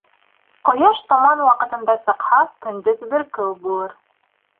Ҡояш томан ваҡытында сыҡһа, көндөҙ бөркөү булыр.